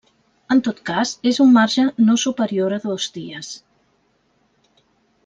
En tot cas, és un marge no superior a dos dies.